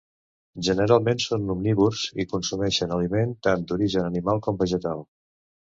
Generalment són omnívors, i consumeixen aliment tant d'origen animal com vegetal.